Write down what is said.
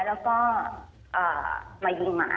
แล้วก็มายิงหมา